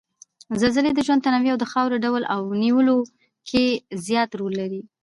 زلزلې د ژوند تنوع او د خاورو ډول او نويولو کې زیات رول لري